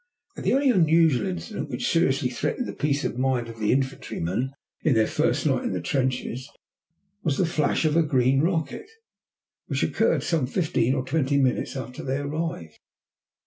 The only unusual incident which seriously threatened the peace of mind of the infantrymen in their first night in the trenches was the flash of a green rocket which occurred some fifteen or twenty minutes after they arrived.